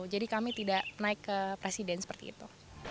jadi kami tidak naik ke presiden seperti itu